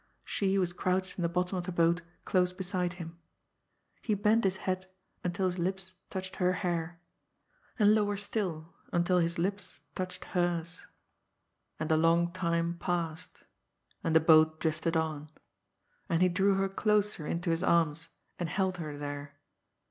She was crouched in the bottom of the boat close beside him. He bent his head until his lips touched her hair, and lower still until his lips touched hers. And a long time passed. And the boat drifted on. And he drew her closer into his arms, and held her there.